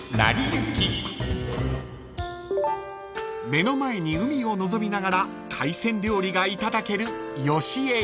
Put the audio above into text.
［目の前に海を望みながら海鮮料理がいただける］